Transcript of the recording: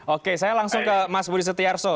oke saya langsung ke mas budi setiarso